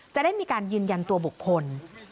จะได้มีการยืนยันตัวบุคคล